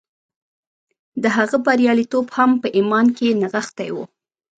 د هغه بریالیتوب هم په ایمان کې نغښتی و